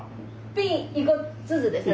瓶１個ずつですね。